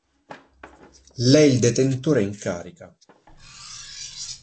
L' è il detentore in carica.